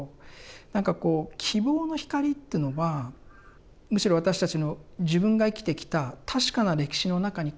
なんかこう希望の光っていうのはむしろ私たちの自分が生きてきた確かな歴史の中にこそあって。